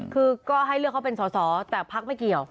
คือก็ให้เลือกเขาเป็นสอสอแต่พักไม่เกี่ยว